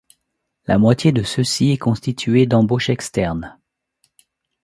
La moitié de ceux-ci est constituée d'embauches externes.